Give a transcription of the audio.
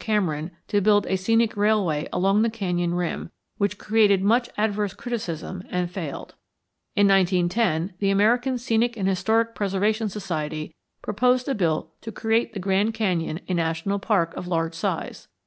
Cameron to build a scenic railway along the canyon rim, which created much adverse criticism and failed. In 1910 the American Scenic and Historic Preservation Society proposed a bill to create the Grand Canyon a national park of large size.